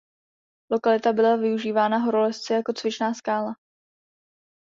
Lokalita byla využívána horolezci jako cvičná skála.